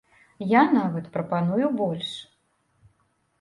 Я нават прапаную больш.